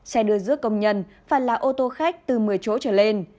xe đưa giữa công nhân và là ô tô khách từ một mươi chỗ trở lên